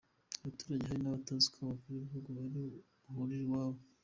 Abaturage hari n’abatazi ko abakuru b’ibihugu bari buhurire iwabo.